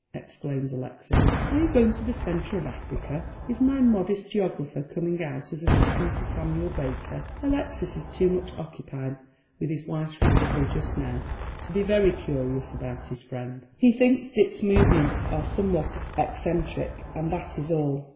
exclaims Alexis, "are you going to tlio centre of Africa ? Is my modest geographer coming out as a second Sir Samuel Baker? " Alexis is too much occupied with his wife's recovery j»>t now to be very curious about his friend. He thinks Dick's movements are somewhat eccentric, and that is all.